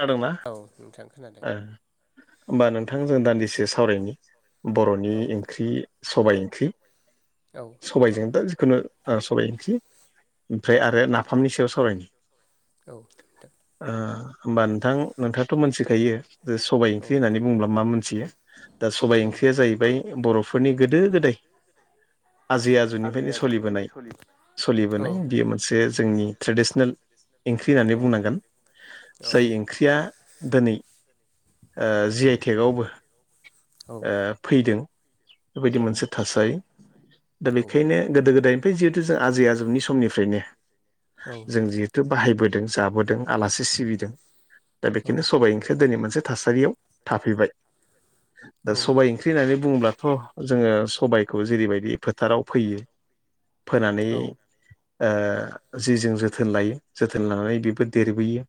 खोनादोंना औ नोंथां खोनादों ओ होमबा नोंथां जों दानदिसे सावरायनि बर'नि औ ओंख्रि सबाय ओंख्रि औ औ जों दा जिखुनु सावरायनोसै ओमफ्राय आरो नाफामनि सायाव सावरायनो औ ओ होमबा नोंथां नोंथाङाथ' मोनथिखायो जे सबाय औ ओंख्रि होननानै बुंबोब्ला मा मोनथियो दा सबाय औ ओंख्रिया जाहैबाय बर'फोरनि गोदो गोदाय आजै आजौनिफ्रायनो सोलिबोनाय औ सोलिबोनाय बियो मोन से जोंनि ट्रेडिसनेल ओंख्रि होननानै औ बुंनांगोन। जाय ओंख्रिया दिनै जि आइ टेकावबो ओ फैदों बेबायदि औ मोनसे थासारि दा औ बेखायनो गोदो गोदायनिफ्राय जिहेथु जों आजै आजौनि समनिफ्रायनो जों नोंथां जिहेथु बाहायबोदों जाबोदों आलासि सिबिदों दा औ बेखिनो सबाय ओंख्रिया दिनै मोनसे थासारियाव थाफैबाय। दा औ औ सबाय ओंख्रि होननानै बुङोब्लाथ' जोङो सबाइखौ जेरैबायदि फोथाराव फैयो फोनानै ओ जि जों जोथोन लायो जोथोन लानानै बेबो देरबोयो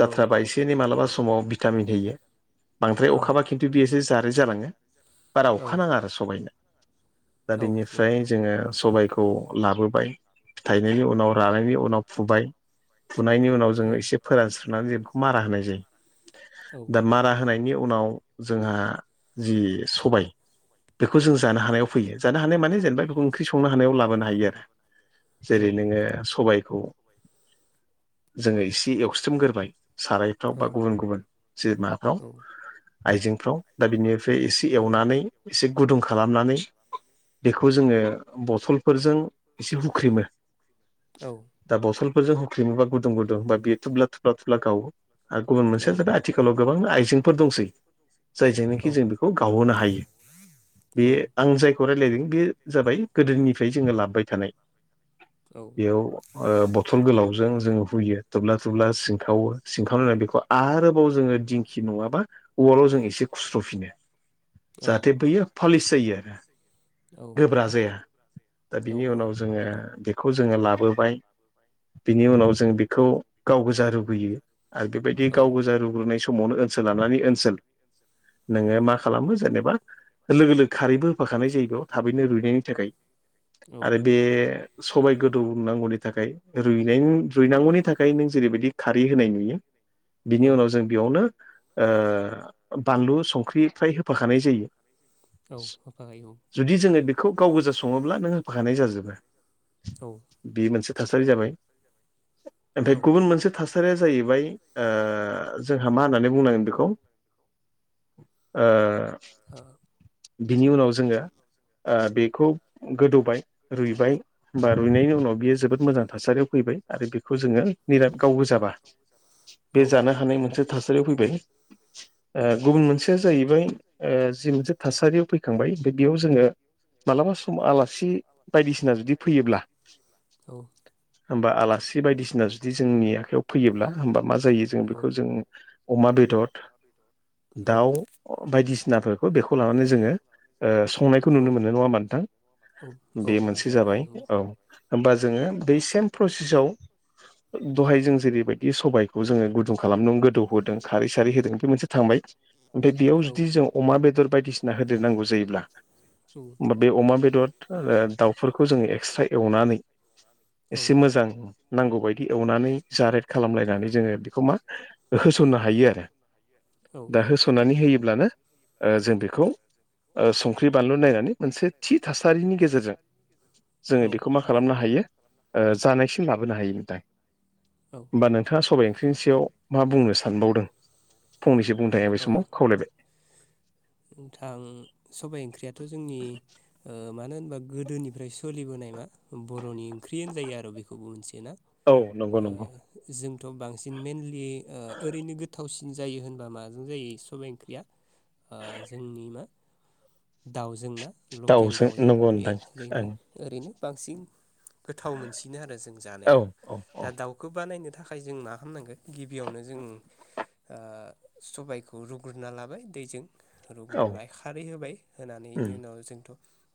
औ एसे एनै मालाबा समाव भिटामिन हैयो बांद्राय अखाबा खिनथु बेयो जारेथ जालाङो बारा नंगौ औ अखा नाङा आरो सबाइनो औ दा बेनिफ्राय जोङो सबायखौ लाबोबाय औ थाइनायनि उनाव रानायनि उनाव फुबाय फुनायनि उनाव जोङो एसे फोरानस्रनानै जों बेखौ मारा होनाय जायो दा मारा होनायनि उनाव जोंहा जि सबाय बेखौ जों जानो हानायाव फैयो जानो हानाय माने जेनेबा बेखौ ओंख्रि संनो हानायाव लाबोनो हायो आरो जेरै औ नोङो सबायखौ जोङो एसे एवफ्रामग्रोबाय सारायफ्राव बा गुबुन गुबुन जे माबाफ्राव आइजेंफ्राव दा बिनिफ्राय एसे एवनानै एसे गुदुं खालामनानै बेखौ जोङो बथलफोरजों एसे हुख्रेमो दा बथलफोरजों होख्रेमोबा गदुं गुदुं हा बेयो थुब्ला थुब्ला थुब्ला गावो आरो गुबुन औ मोनसेया आथिखालाव गोबां आइजेंफोर दंसै औ जायजोंनोखि औ जों बेखौ गावहोनो हायो बे आं जायखौ रायज्लायदों बे जाबाय गोदोनिफ्राय जोङो लाबोबाय थानाय औ बेयाव बथल गोलावजों जोङो हुयो थुब्ला थुब्ला सिंखावो सिंखावनानै बेखौ आरोबाव जोङो दिंखि नङाबा उवालाव जों एसे खुस्र'फिनो जाहाथे बैयो पालिस जायो आरो गोब्रा जाया दा बिनि उनाव जोङो बेखौ जोङो लाबोबाय बिनि उनाव जों बेखौ गाव गोजा लुबैयो आरो बेबायदि गाव गोजा रुग्रोनाय समावनो ओनसोल लानानै ओनसोल नोङो मा खालामो जेनेबा लोगो लोगो खारैबो होफाखानाय जायो बेयाव थाबैनो रुइनायनि थाखाय आरो बे समाय गोदौ नांगौनि थाखाय रुइ रुइनांगौनि थाखाय नों जेरैबायदि खारै होनाय नुयो बिनि उनाव जों बेयावनो बानलु संख्रि फ्राय होफाखानाय जायो औ होफाखायो औ जुदि जोङो बेखौ गाव गोजा सङोब्ला नों होफाखानाय जाजोबो बे मोनसे थासारि जाबाय ओमफफ्राय गुबुन मोनसे थासारिया जाहैबाय जोंहा मा होननानै बुंनांगोन बेखौ ओ बिनि उनाव जोङो ओ बेखौ गोदौबाय रुइबाय होमबा रुइनायनि उनाव बियो जोबोद मोजां थासारियाव फैबाय आरो बेखौ जोङो निर गावबोजाबा बे जानो हानाय मोनसे थासारियाव फैबाय गुबुन मोनसेया जाहैबाय जि मोनसे थासारियाव फैखांबाय बे बेयाव जोङो मालाबा सम आलासि बायदिसिना जुदि फैयोब्ला औ होमबा आलासि बायदिसिना जुदि जोंनि आखायाव फैयोब्ला होमबा मा जायो जों बेखौ जों अमा बेदर [unintelligible] दाउ बायदिसिनाफोरखौ बेखौ लानानै जोङो संनायखौ नुनो मोननाय नङा होनबा नोंथां बे मोनसे जाबाय औ होमबा जोङो बै सेम प्रसेसआव दहाय जों जेरैबायदि सबाइखौ जोङो गुदुं खालामदों गोदौ होदों खारै सारै होदों बे मोनसे थांबाय ओमफ्राय बेयाव जुदि जों अमा बेदर बायदिसिना होदेरनांगौ जायोब्ला होमा बे अमा बेदर दाउफोरखौ जोङो एक्सट्रा एवनानै एसे मोजां नांगौबायदि एवनानै जारेट खालामलायनानै जोङो बेखौ मा होसननो हायो दा होसननानै होयोब्लानो ओ जों बेखौ ओ संख्रि बानलु नायनानै मोनसे थि थासारिनि गेजेरजों जोङो बेखौ मा खालामनो हायो ओ जानायसिम लाबोनो हायो नोंथां होमबा नोंथाङा सबाइ ओंख्रिनि सायाव मा बुंनो सानबावदों फंनैसो बुंनो थाखाय आं बे समाव खावलायबाय नोंथां सबाइ ओंख्रियाथ' जोंनि ओ मानो होनबा गोदोनिफ्राय सोलिबोनाय मा बर'नि ओंख्रियानो होनजायो आरो बेखौबो मोनसे ना औ नंगौ ओ नंगौ जोंथ' बांसिन मेनलि ओरैनो गोथावसिन जायो होनबा माजों जायो सबाइ ओंख्रिया ओ जोंनि मा दाउजों ना लकेल दाउजों नंगौ बेयो नोंथां ओरैनो ओरैनो बांसिन गोथाव मोनसिनो आरो जों जानो औ दा औ दाउखौ बानायनो थाखाय जों मा खामनांगोन गिबियावनो जों सबायखौ रुग्रोनना लाबाय दैजों औ औ रुग्रोबाय खारै होबाय होनानै बेनि उम उनाव जोंथ'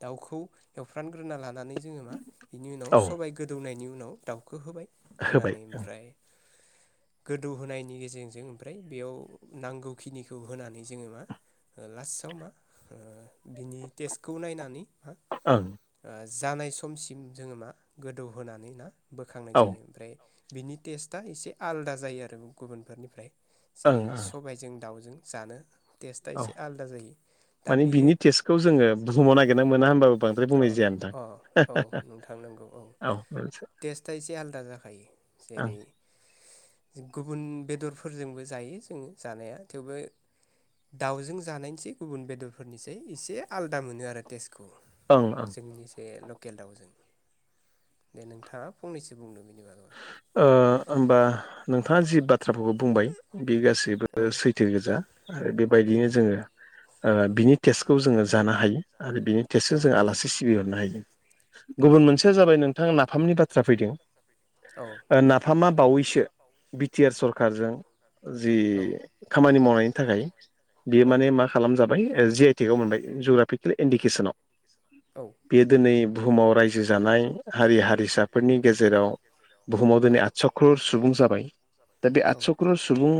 दाउखौ एवफ्रानग्रोना लानानै जोङो मा बेनि उनाव औ सबाय गोदौनायनि उनाव दाउखौ होबाय होबाय होनानै ओमफ्राय [inaudible] गोदौ होनायनि गेजेरजों ओमफ्राय बेयाव नांगौखिनिखौ होनानै जोङो मा लास्टआव मा बिनि टेस्टखौ नायनानै मा ओ ओ जानाय समसिम जोङो मा गोदौहोनानै ना बोखांनाय ओं जायो ओमफ्राय बिनि टेस्टआ एसे आलदा जायो आरो गुबुनफोरनिफ्राय ओं जेरै सबायजों दाउजों जानो टेस्टआ एसे आलादा जायो दा मानि बियो बिनि टेस्टखौ जोङो बुहुमाव नागिरना मोना होनोबाबो बांद्राय अ बुंनाय जाया नोंथां अ औ नोंथां नंगौ औ टेस्टआ एसे आलदा जाखायो जेरै गुबुन बेदरफोरजोंबो जायो जोङो जानाया थेवबो दाउजों जानायनिसै गुबुन बेदरफोरनिसै एसे आलादा मोनो आरो टेस्टखौ ओं ओं जोंनि ए लकेल दाउजों दे नोंथाङा फंनैसो बुंनो बिनिबा होमबा नोंथाङा जि बाथ्राफोरखौ बुंबाय बे गासैबो आरो औ सैथो गोजा आरो बेबायदिनो माखासे जोङो बिनि टेस्टखौ जोङो जानो हायो आरो बेनि टेस्टजों बर'फोरनि जोङो आलासि सिबिहरनो हायो खान्थिफोरखौ गुबुन मोनसेया जाबाय नोंथाङा नाफामनि बाथ्रा फैदों जों दिनै नाफामा बावैसो बि टि आर सरखारजों जि सोनो खामानि मावनायनि थाखाय हाबाय बियो नोंथां माने मा खालामजाबाय जि आइ टेग आ मोनबाय जग्राफिकेलि इन्डिकेसनाव औ बेयो दिनै बुहुमाव रायजो जानाय हारि हारिसाफोरनि गेजेराव बुहुमाव दिनै आदस' ख्रर सुबुं जाबाय दा बे आठस' ख्रर सुबुं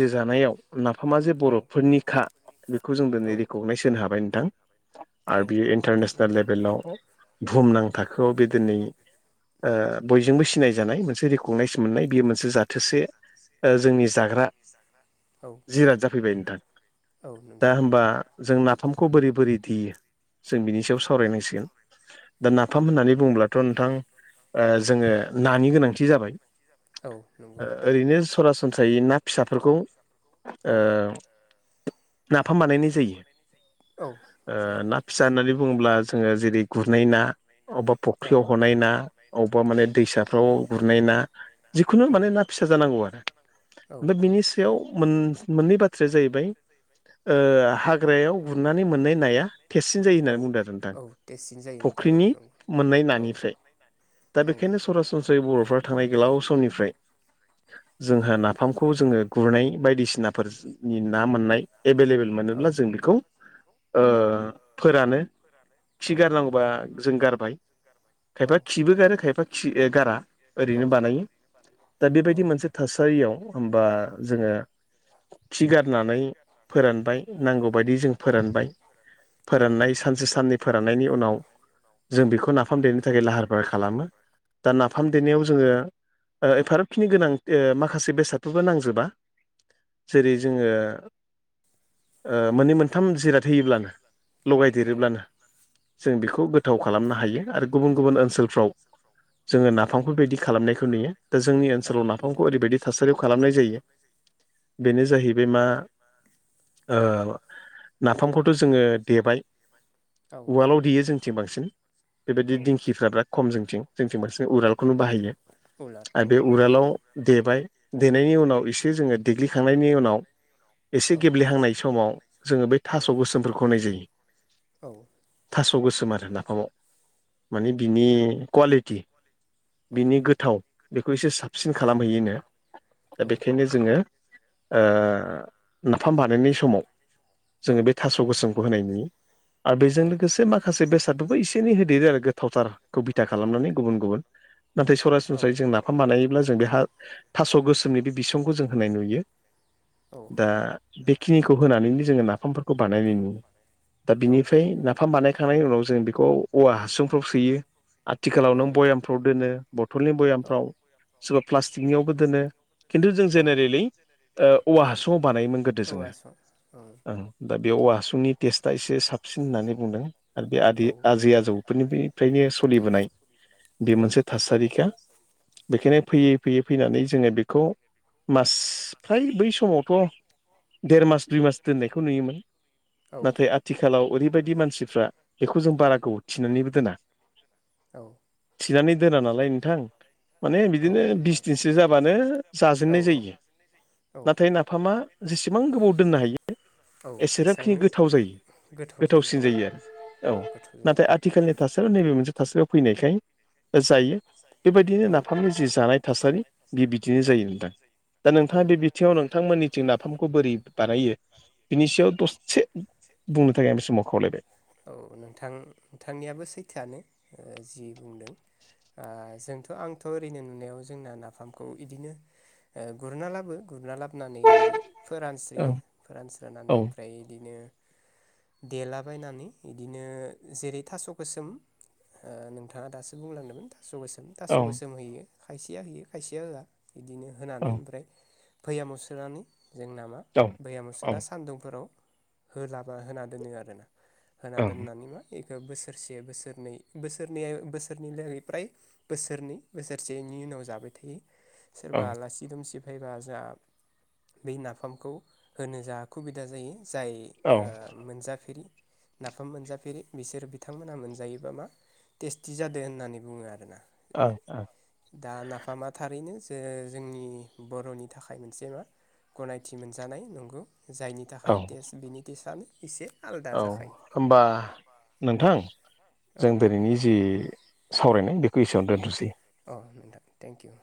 जे जानायाव नाफामा जे बर'फोरनि खा बेखौ जों दिनै रिक'नायस होनो हाबाय नोंथां आरो बियो इन्टारनेसनेल लेभेलाव बुहुमनां थाखोआव बे दिनै बयजोंबो सिनाय जानाय मोनसे रेकगनाइज मोननाय बेयो मोनसे जाथोसे जोंनि जाग्रा औ जिराद जाफैबाय नोंथां औ नोंथां नंगौ औ दा नोंथां होमबा नंगौ जों नाफामखौ बोरै बोरै देयो जों बिनि सायाव सावरायनांसिगोन दा नाफाम होननानै बुङोब्लाथ' नोंथां जो ओ जोङो नानि गोनांथि गोनां जाबाय औ नंगौ ओ नोंथाङा ओरैनो सरासनस्रायै दायो मा ना फिसाफोरखौ फिसाफोरखौ ओ नाफाम बानायनाय औ जायो जायो ना फिसा होननानै बुङोब्ला जोङो जेरै गुरनाय ना अबेबा औ फुख्रियाव हनाय ना अबेबा माने दैसाफ्राव गुरनाय ना जिखुनु औ माने ना फिसा जानांगौ आरो आरो औ ओमफ्राय बिनि नोंथां सायाव नंगौ मोननै बाथ्राया जाहैबाय हाग्रायाव गुरनानै मोननाय नाया थेससिन जायो औ होननानै बुंदों आरो नोंथां औ टेस्टसिन जायो नोंथां औ फुख्रिनि मोननाय नंगौ औ नानिखैरै दा औ बेखायनो सरासनस्रायै बर'फ्रा थांनाय गोलाव समनिफ्राय जोंहा नाफामखौ जोङो गुरनाय बायदिसिनाफोरनि ना मोननाय एभेलेबेल मोनोब्ला जों बेखौ फोरानो खि गारनांगौबा जों गारबाय गारबाय खायफा खिबो गारो खायफा खि गारा ओरैनो बानायो दा औ बेबायदि मोनसे थासारियाव होमबा जोङो खि गारनानै फोरानबाय नांगौबायदि जों फोरानबाय औ फोराननाय सानसे साननै फोराननायनि उनाव जों बेखौ नाफाम देनो थाखाय लाहार फाहार खालामो दा नाफाम देनायाव जोङो एफारखिनि गोनां माखासे बेसादफोरबो नांजोबा जेरै जोङो मोननै मोनथाम जिराद होयोब्लानो लगायदेरोब्लानो जों बेखौ गोथाव खालामनो हायो आरो गुबुन गुबुन ओनसोलफ्राव जोङो नाफामफोर बिबायदि खालामनायखौ नुयो दा जोंनि औ ओनसोलाव नाफामखौ नोंथां ओरैबायदि थासारियाव खालामनाय जायो बेनो जाहैबाय बे मा नाफामखौथ' जोङो देबाय औ उवालआव नोंथां देयो जोंनिथिं बांसिन बेबायदि औ दिंखिफ्रा बिराद खम जोंथिं जोंथिं बांसिन उवालखौनो बाहायो उलार आरो औ बे उवालाव देबाय देनायनि उनाव एसे जोङो देग्लिखांनायनि उनाव एसे औ गेब्लेहांनाय समाव जोङो बै औ थास' गोसोमफोरखौ होनाय जायो औ थास' गोसोम आरो नाफामाव माने बिनि कुवालिटि औ बिनि गोथाव बेखौ एसे साबसिन खालामहैयोनो दा बेखायनो जोङो ओ नाफाम बानायनाय समाव औ जोङो बे थास' गोसोमखौ होनाय नोयो आरो बेजों लोगोसे माखासे बेसादबो एसे एनै होदेरो आरो गो [unintelligible] प्रथारखौ बिथा खालामनानै गुबुन गुबुन नाथाय सरासनस्रायै जों नाफाम बानायोब्ला जों बेहा थास' गोसोमनि बे बिसंखौ जों होनाय नुयो दा बेखिनिखौ होनानैनो जोङो नाफामफोरखौ बानायनाय नुयो दा बिनिफ्राय नाफाम बानायखांनायनि उनाव जों बेखौ औवा हासुंफ्राव सोयो आथिखालाव औ बयाम फ्राव दोनो बथलनि बयामफ्राव सोरबा प्लास्टिकनियावबो दोनो खिन्थु जों औ औ जेनेरेलि औवा जेन हासुङाव बानायोमोन गोदो औवा जोङो सं औ ओं दा बेयाव औवा हासुंनि टेस्टआ एसे साबसिन होननानै बुंदों आरो बे आदि औ आजै आजौ फोरनिफ्रायनो सोलिबोनाय बे मोनसे थासारिखा बेखायनो फैयै फैयै फैनानै जोङो बेखौ मास फ्राय बै समावथ' देर मास दुइ मास दोननायखौ नुयोमोन औ नाथाय आथिखालाव ओरैबायदि मानसिफ्रा बेखौ जों बारा गोबाव थिनानैबो दोना औ थिनानै दोना नालाय नोंथां माने औ बिदिनो बिस नोंथां दिनसो जाबानो औ जाजेननाय जायो औ नाथाय ना नाफामा जेसेबां गोबाव दोननो हायो औ एसेबांखिनि एसेबांनो गोथाव जायो गोथाव गोथावसिन औ जायो आरो औ गोथाव जायो नाथाय आथिखालनि थासारियाव नैबे मोनसे थासारियाव फैनायखाय जायो बेबायदिनो नाफामनि जि जानाय थासारि बे बिदिनो औ जायो नोंथां दा नोंथाङा बे बिथिङाव नोंथांमोननि जों नाफामखौ बोरै बानायो औ बिनि सायाव दसे बुंनो थाखाय बे समाव खावलायबाय औ नोंथां नोंथांनियाबो सैथोआनो ओ जि बुंदों जोंथ' आंथ' ओरैनो नुनायाव जोंना नाफामखौ इदिनो गुरना लाबो गुरना लाबो नानै फोरानस्रोयो औ फोरानस्रोनानै औ ओमफ्राय बिदिनो देलाबायनानै बिदिनो जेरै थास' गोसोम ओ नोंथाङा दासो बुंलांदोंमोन थास' गोसोम थास' गोसोम औ होयो खायसेया होयो खायसेया होआ बिदिनो होनानै औ ओमफ्राय भयामाव सोनानै जोंना मा औ भैयामाव ओं सोनानै सान्दुंफोराव होजाबा होना दोनो आरो ना होना ओं दोननानै मा बोसोरसे बोसोरनै बोसोरनै बोसोरनै लागै फ्राय बोसोरनै बोसोरसेनि उनाव जाबाय थायो औ सोरबा आलासि दुमसि फैबा जोंहा बे नाफामखौ होनो जोंहा खुबिदा जायो जाय ओ ओं मोनजाफेरि नाफाम मोनजाफेरि बिसोर बिथांमोनहा मोनजायोबा मा टेस्टि जादों होननानै बुङो आरोना अ औ दा नाफामा थारैनो जो जोंनि बर'नि थाखाय मोनसे मा गनायथि मोनजानाय नंगौ जायनि औ थाखाय टेस्ट बिनि टेस्टआनो एसे आलादा औ जाखायो होनबा नोंथां औ जों दिनैनि जि सावरायनाय बेखौ एसेयावनो दोनथ'सै। अ नोंथां थेंक इउ